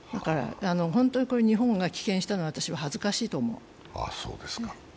本当に日本が棄権したのは恥ずかしいと思う。